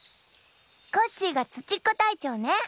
コッシーが「ツチッコたいちょう」ね。